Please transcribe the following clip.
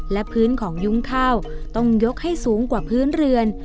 และพื้นของยุ้งข้าวต้องยกให้สูงกว่าพื้นเรือน